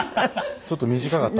ちょっと短かった。